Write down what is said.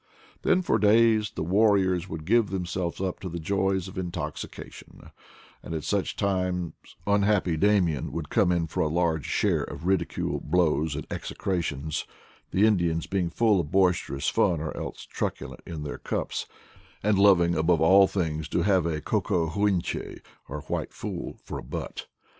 Then for days the warriors would give themselves up to the joys of intoxica tion; and at such times unhappy Damian would come in for a large share of ridicule, blows, and execrations ; the Indians being full of boisterous fun or else truculent in their cups, and loving above all things to have a Koko huinche, or "\rhite fool" for a butt.